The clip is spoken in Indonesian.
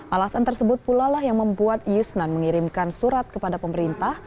alasan tersebut pula lah yang membuat yusnan mengirimkan surat kepada pemerintah